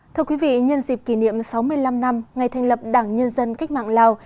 thưa quý vị nhân dịp kỷ niệm sáu mươi năm năm ngày thành lập đảng nhân dân cách mạng lào